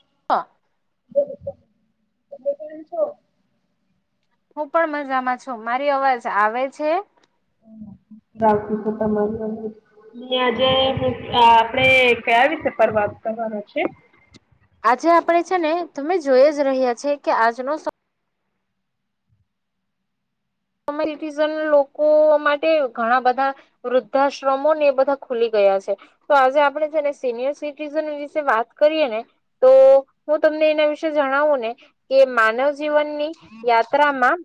[inaudible] તમે કેમ છો હું પણ મજામાં છું મારી અવાજ આવે છે. રા તમારી પા આજે આપડણે કયા રીતે પરવાત કરવાનો છે. આજે આપડે છે ને તમે જોઈ જ રહ્યા છે કે આજનો કો સિટીઝન લોકો માટે ઘણા બધા વૃદ્ધાશ્રમો ને એ બધા ખુલી ગયા છે. તો આજે આપડણે જેને સિનિયર સિટીઝન વિશે વાત કરીએ ને તો હું તમને એના વિશે જણાવું ને કે માનવ જીવનની યાત્રામાં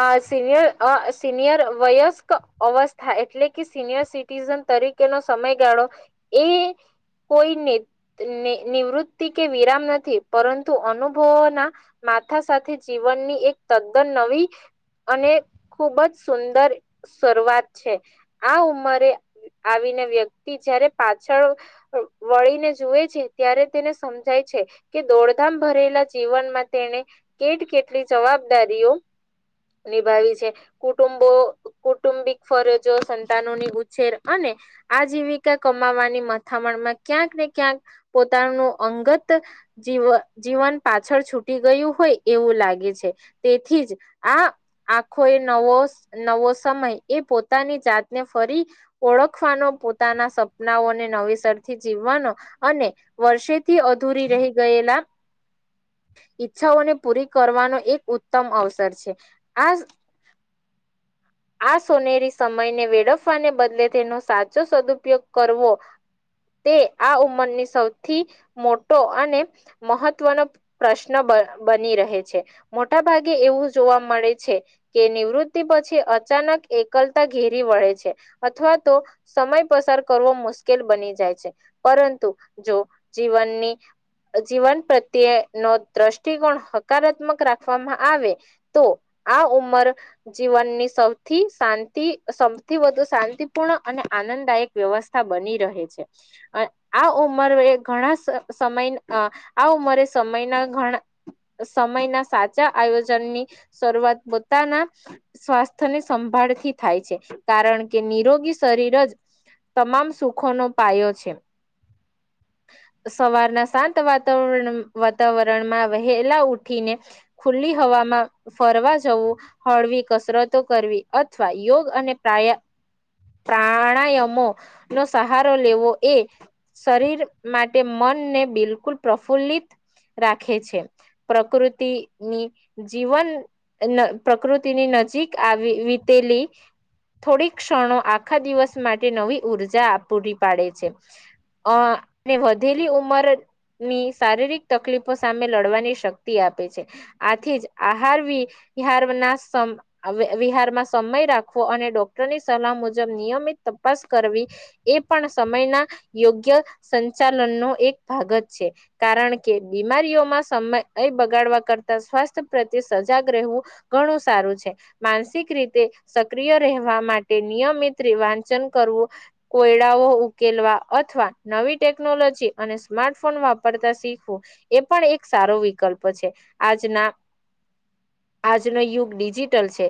અ સિનિયર સિનિયર વયસ્ક અવસ્થા એટલે કે સિનિયર સિટીઝન તરીકે ન સમય ગાળો એ કોઈને નિવૃત્તિ કે વિરામ નથી પરંતુ અનુભવોના માથા સાથે જીવનની એક તદ્દન નવી અને ખુબ જ સુંદર શરૂઆત છે આ ઉંમરે આવીને વ્યક્તિ જયારે પાછળ વળીને જુએ છે ત્યારે તેને સમજાય છે. કે દોડધામ ભરેલા જીવનમાં તેને કેટ કેટલી જવાબદારીઓ નિભાવી છે કુટુંબો કુટુંબિક ફરજો સંતાનોની ઉછેર અને આજીવિકા કમાવાની મથામણ માં ક્યાંક ને ક્યાંક પોતાનું અંગત જીવ જીવન પાછળ છૂટી ગયું હોય એવું લાગે છે તેથી જ આ આખો એ નવો નવો સમય એ પોતાની જાતને ફરી ઓળખવાનો પોતાના સપનાઓને નવીસરથી જીવવાનો અને વર્ષેથી અધૂરી રહી ગયેલા. ઈચ્છાઓને પૂરી કરવાનો એક ઉત્તમ અવસર છે આ આ સોનેરી સમયને વેડફવાને બદલે તેનો સાચો સદુપયોગ કરવો. તે આ ઉંમરની સૌથી મોટો અને મહત્વનો પ્રશ્ન બની રહે છે મોટા ભાગે એવું જોવા મળે છે. કે નિવૃત્તિ પછી અચાનક એકલતા ઘેરી વળે છે અથવા તો સમય પસાર કરવો મુશ્કેલ બની જાય છે પરંતુ જો જીવનની જીવન પ્રત્યે નો દ્રષ્ટિકોણ હકારાત્મક રાખવામાં આવે તો આ ઉમર જીવનની સૌ થી શાંતિ સૌથી વધુ શાંતિપૂર્ણ અને આનંદદાયક વ્યવસ્થા બની રહે છે. આ ઉંમરે ઘણા સમય આ ઉંમરે સમયના ઘણા સમય ના સાચા આયોજનની શરૂઆત પોતાના સ્સ્થ અની સંભાળથી થાય છે કારણ કે નિરોગી શરીર જ તમામ સુખો નો પાયો છે. સવારના શાંત વાતાવરણ વાતાવરણમાં વહેલા ઉઠીને ખુલ્લી હવામાં ફરવા જવું હળવી કસરત કરવી અથવા યોગ અને પ્રયા પ્રાણાયામો નો સહારો લેવો એ શરીર માટે મનને બિલકુલ પ્રફુલ્લિત રાખે છે. પ્રકૃતિ ની. જીવન પ્રકૃતિની નજીક આવી વીતેલી. થોડીક ક્ષણો આખા દિવસ માટે નવી ઉર્જા પૂરી પાડે છે. અ વધેલી ઉમર ની શારીરિક તકલીફો સામે લડવાની શક્તિ આપે છે. આથી જ આહાર વિહાર ના વિહારમાં સમય રાખવો અને ડોક્ટરની સલાહ મુજબ નિયમિત તપાસ કરવી. એ પણ સમયના યોગ્ય સંચાલનનો એક ભાગ જ છે. કારણ કે બીમારીઓમાં સમય બગાડવા કરતા સ્વાસ્થ્ય પ્રત્યે સજાગ રહેવું. ઘણું સારું છે માનસિક રીતે સક્રિય રહેવા માટે નિયમિત વાંચન કરવુ કોયડાઓ ઉકેલવા અથવા નવી ટેકનોલોજી અને સ્માર્ટફોન વાપરતા શીખવુ એ પણ એક સારો વિકલ્પ છે, આજના આજનો યુગ ડિજિટલ છે,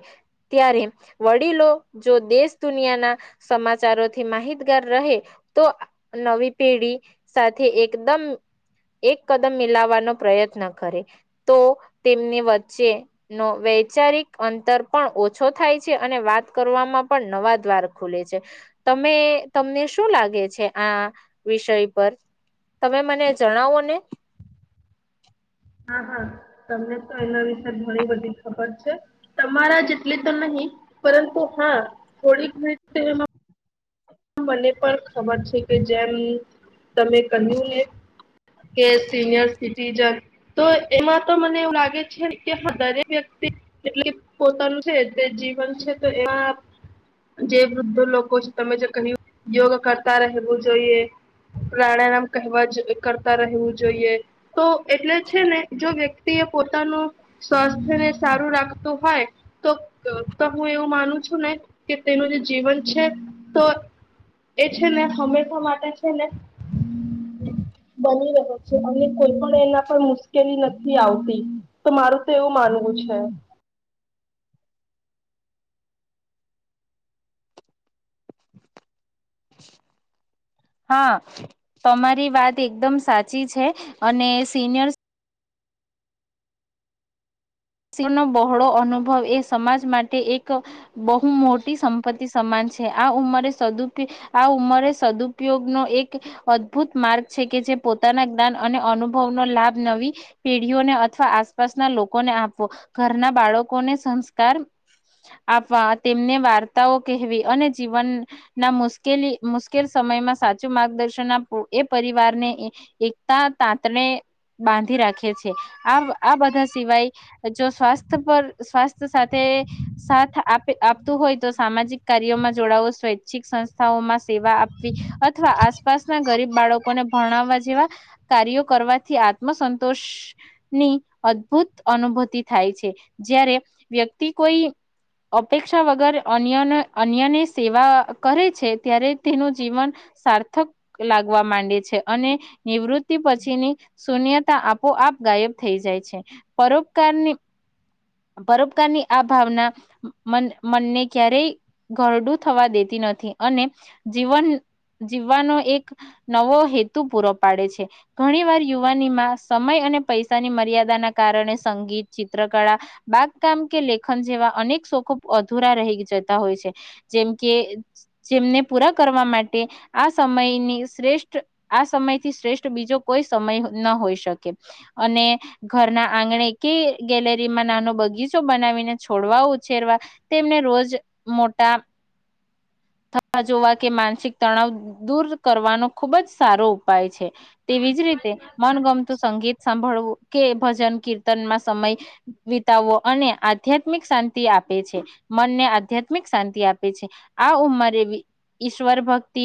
ત્યારે વડીલો જો દેશ દુનિયાના સમાચારોથી માહિતગાર રહે તો નવી પેઢી સાથે એકદમ એક કદમ મિલાવવાનો પ્રયત્ન કરે તો તેમની વચ્ચે નો વૈચારિક અંતર પણ ઓછો થાય છે અને વાત કરવામાં પણ નવા દ્વાર ખુલે છે, તમે તમને શું લાગે છે, આ વિષય પર તમે મને જણાવો ને હા હા તમને તો એના વિશે ઘણી બધી ખબર છે. તમારા જેટલી તો નહીિ પરંતુ હા થોડીક ઘણી મને પણ ખબર છે, કે જેમ તમે કહ્યું ને કે સિનિયર સિટીજન તો એમાં તો મને એવું લાગે છે, કે હા દરેક વ્યક્તિ એટલે પોતાનું છે જે જીવન છે તો એમા જે વૃદ્ધ લોકો છે તમે જે ક યોગ કરતા રહેવું જોઈએ. પ્રણા નામ કહેવા જ કરતા રહેવું જોઈએ. તો એટલે છે ને જો વ્યક્તિ એ પોતાનુ સ્વાસ્થ્ય ને સારું રાખતું હોય. તો તો હુ એવુ માનુ છુને, કે તેનું જે જીવન છે તો એ છેને હંમેશા માટે છેને. બની રહ્યો છે અને કોઈ પણ એના પર મુશ્કેલી નથી આવતી તો મારું તો એવું માનવું છે. હા તમારી વાત એકદમ સાચી છે, અને સિનિયર્સ શણ નો બહોળો અનુભવ એ સમાજ માટે એક બહુ મોટી સંપત્તિ સમાન છે, આ ઉંમરે સદુપ આ ઉંમરે સદુપયોગનોો એક અદભુત માર્ગ છે કે જે પોતાના જ્ઞાન અને અનુભવનો લાભ નવી પેઢીઓને અથવા આસપાસના લોકોને આપવો ઘરના બાળકોને સંસ્કાર આપવા તેમને વાર્તાઓ કહેવી અને જીવન ના મુશ્કેલી મુશ્કેલ સમયમાં સાચું માર્ગદર્શન ના એ પરિવારને એકતા તાંતને બાંધી રાખે છે આ આ બધા સિવાય જો સ્વાસ્થ્ય પર સ્વાસ્થ્ય સાથે સાથ આપ આપતું હોય તો સામાજિક કાર્યોમા જોડાવો સ્વૈચ્છિક સંસ્થાઓમાં સેવા આપવી અથવા આસપાસના ગરીબ બાળકોને ભણાવવા જેવા કાર્યો કરવાથી આત્મસંતોષ ની અદભુત અનુભૂ થાય છે જય્યારે વ્યક્તિ કોઈ અપેક્ષા વગર અન્ય અન્યની સેવા કરે છે ત્યારે તેનું જીવન સાર્થક લાગવા માંડે છે, અને નિવૃત્તિ પછીની શૂન્યતા આપોઆપ ગાયબ થઈ જાય છે, પરોપકારની બરોપકારની આ ભાવના મનને ક્યારેય ઘરડું થવા દેતી નથી અને જીવન જીવવાનો એક નવો હેતુ પૂરો પાડે છે. ઘણી વાર યુવાનીમાં સમય અને પૈસાની મર્યાદાના કારણે સંગીત ચિત્રકળા બાગકામ કે લેખન જેવા અનેક શોખો અધુરા રહી જતા હોય છે. જેમ કે જેમને પૂરા કરવા માટે આ સમયની શ્રેષ્ઠ આ સમય થી શ્રેષ્ઠ બીજો કોઈ સમય ન હોઈ શકે અને ઘરના આંગણે કે ગેલેરીમાં નાનો બગીચો બનાવીને છોડવા ઉછેરવા. તેમને રોજ મોટાં થવા જોવા કે માનસિક તણાવ દૂર કરવાનો ખુબ જ સારો ઉપાય છે. તેવી જ રીતે મનગમતું સંગીત સાંભળવું કે ભજન કીર્તનમાં સમય વિતાવવો અને આધ્યાત્મિક શાંતિ આપે છે મનને આધ્યાત્મિક શાંતિ આપે છે. આ ઉંમરે ઈ ઈશ્વર ભક્તિ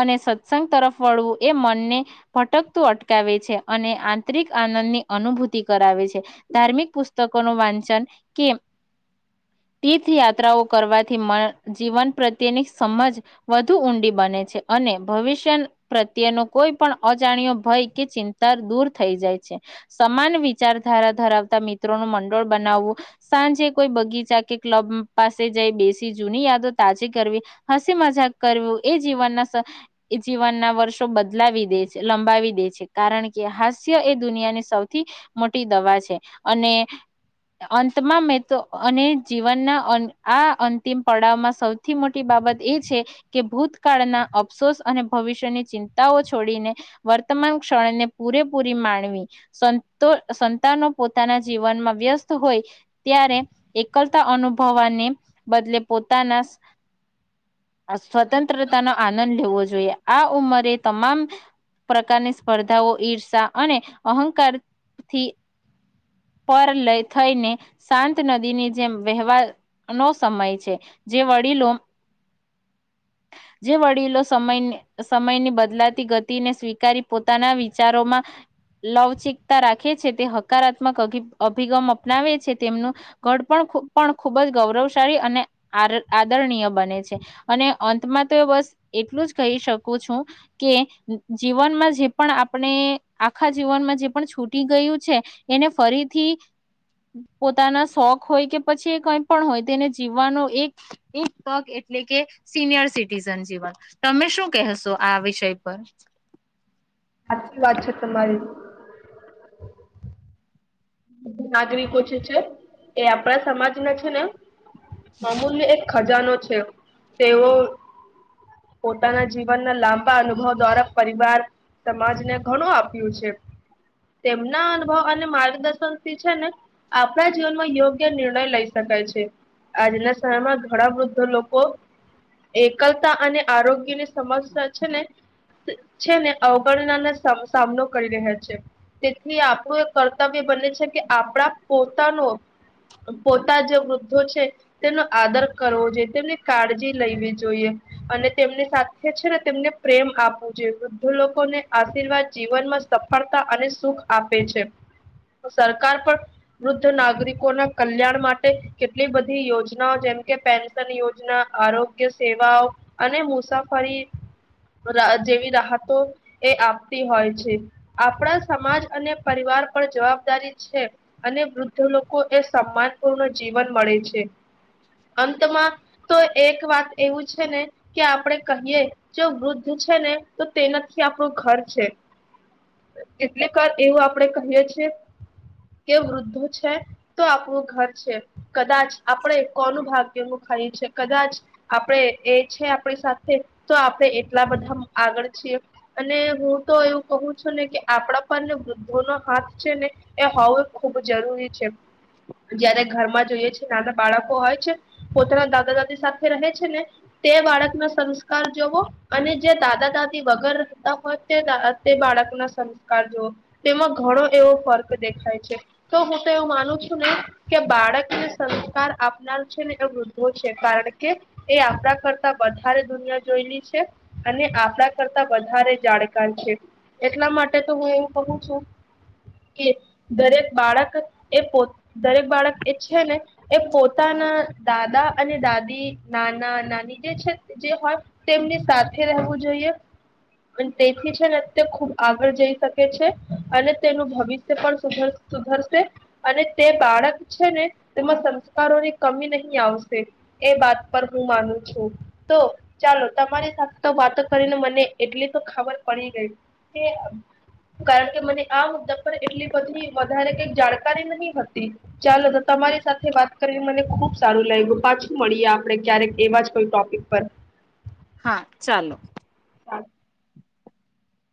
અને સત્સંગ તરફ વળવું એ મનને ભટકતું અટકાવે છે અને આંતરિક આનંદની અનુભૂ કરાવે છે ધાર્મિક પુસ્તકોનું વાંચન કે તીર્થયાત્રાઓ કરવાથી મ જીવન પ્રત્યેની સમજ વધુ ઊંડી બને છે અને ભવિષ્ય પ્રત્યેનો કોઈ પણ અજાણ્યો ભય કે ચિંતા દૂર થઈ જાય છે. સમાન વિચારધારા ધરાવતા મિત્રોનું મંડોળ બનાવવું. સાંજે કોઈ બગીચા કે ક્લબ પાસે જઈ બેસી જૂની યાદો તાજી કરવી. હસી મજાક કરવું એ જીવનનાં એ જીવનના વર્ષો બદલાવી દે છે લંબાવી દે છે કારણ કે હાસ્ય એ દુનિયાને સૌ થી મોટી દવા છે અને અંતમાં મેં તો અને જીવનનાં આ અંતિમ પડાવમાં સૌ થી મોટી બાબત એ છે કે ભૂતકાળનાં અફસોસ અને ભવિષ્યની ચિંતાઓ છોડીને વર્તમાન ક્ષણને પૂરેપૂરી માણવી. સંતો સંતાનો પોતાના જીવનમાં વ્યસ્ત હોય ત્યારે એકલતા અનુભવવાને બદલે પોતાના આ સ્વતંત્રતાનો આનંદ લેવો જોઈએ. આ ઉંમરે તમામ પ્રકારની સ્પર્ધાઓ ઈર્ષા અને અહં કારથી પર લય થઈને શાંત નદીની જેમ વહેવા નો સમય છે જે વડીલો જે વડીલો સમયને સમયની બદલાતી ગતિને સ્વીકારી પોતાનાં વિચારોમાં લવ ચિકતા રાખે છે તે હકારાત્મક અ અભિગમ અપનાવે છે તેમનું ઘડપણ પણ ખૂબ જ ગૌરવશાળી અને આર આદરણીય બને છે. અને અંતમાં તો બસ એટલું જ કહી શકું છું. કે જીવનમાં જે પણ આપણે આખા જીવનમાં જે પણ છૂટી ગયું છે એને ફરીથી પોતાના શોખ હોય કે પછી કંઈ પણ હોય જેને જીવવાનો એક એક તક એટલે કે સિનિયર સિટીઝન જીવન. તમે શું કહેશો આ વિષય પર? સાચી વાત છે તમારી. નાગરિકો જે છે એ આપણા સમાજના છે ને અમૂલ્ય એક ખજાનો છે તેઓ પોતાના જીવનના લાંબા અનુભવ દ્વારા પરિવાર સમાજને ઘણું આપ્યું છે તેમના અનુભવ અને માર્ગદર્શન થી છે ને આપણા જીવનમાં યોગ્ય નિર્ણય લઈ શકાય છે. આજના સમયમાં ઘણા વૃદ્ધ લોકો એકલતા અને આરોગ્યની સમસ્યા છે ને છે ને અવગણનાનો સામનો કરી રહ્યા છે. તેથી આપણું એક કર્તવ્ય બને છે કે આપણાં પોતાનો પોતા જ વૃદ્ધો છે. તેમનો આદર કરવો જોઈએ તેમની કાળજી લયવી જોઈએ. અને તેમની સાથે છે ને તેમને પ્રેમ આપવું જોઈએ, વૃદ્ધ લોકોને આશીર્વાદ જીવનમાં સફળતા અને સુખ આપે છે. સરકાર પણ વૃદ્ધ નાગરિકોના કલ્યાણ માટે, કેટલી બધી યોજનાઓ જેમ કે પે યોજના આરોગ્ય સેવાઓ અને મુસાફરી જેવી રાહતો એ આપતી હોય છે. આપણા સમાજ અને પરિવાર પર જવાબદારી છે અને વૃદ્ધ લોકો એ સમાન પૂર્ણ જીવન મળે છે. અંતમાં તો એક વાત એવું છે ને. કે આપણેે કહીયએ જે વૃદ્ધ છે ને તો તેનાથી આપણું ઘર છે. કેટલે કર એવું આપડણે કહીએ છીએ. કે વૃદ્ધો છે તો આપણું ઘર છે, કદાચ આપણે કોનું ભાગ્ય મ ખ છે કદાચ આપણે એ છે આપણી સાથે, તો આપણે એટલા બધા આગળ છીએ. અને હું તો એવું કહ છું ને કે આપડા પર ને વૃદ્ધો નો હાથ છે ને. એ હોવું ખૂબ જરૂરી છે, જયારે ઘરમાં જોઈએ છે. નાના બાળકો હોય છે, પોતાના દાદા દાદી સાથે રહે છે ને. તે બાળકનો સંસ્કાર જોવો. અને જે દાદા દાદી વગર રહેતા હોય તે તે બાળકના સંસ્કાર જોઓ. તેમાં ઘણો એવો ફર્ક દેખાય છે, તો હું તો એવું માનું છું ને. કે બાળકને સંસ્કાર આપનાર છે ને એ વૃદ્ધો છે, કારણ કે એ આપણા કરતા વધારે દુનિયા જોયેલી છે. અને આપણા કરતા વધારે જાળકાન છે, એટલા માટે તો હું એવું કું છું. કે દરેક બાળક એ પો દરેક બાળક એ છે ને. એ પોતાના દાદા અને દાદી નાના નાની જે છે. જે હોય તેમની સાથે રહેવું જોઈએ. તેથી છે ને તે ખુબ આગળ જઈ શકે છે, અને તેનું ભવિષ્ય પણ સુધર સુધરશે. અને તે બાળક છે ને તેમાં સંસ્કારોની કમી નહી આવશે. એ વાત પર હું માનું છું. તો ચાલો તમારી સાથે તો વાતો કરીને મને એટલી તો ખબર પડી ગઈ. કે કારણ કે મને આ મુદ્દા એટલી બધી વધારે કઈક જાણકારી નહ હતી. ચાલો તો તમારી સાથે વાત કરીને મને ખુબ સારું લાગ્યું પાછું મળીએ આપડે ક્યારેક એવા જ કોઈ ટોપિક પર. હા ચાલો.